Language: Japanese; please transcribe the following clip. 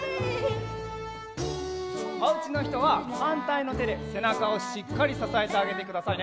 おうちのひとははんたいのてでせなかをしっかりささえてあげてくださいね。